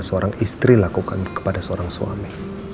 seorang istri lakukan kepada seorang suami